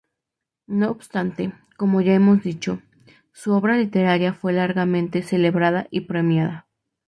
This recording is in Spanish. No obstante, como ya hemos dicho, su obra literaria fue largamente celebrada y premiada.